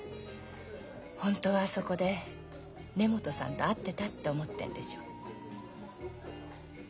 ホントはあそこで根本さんと会ってたって思ってんでしょ。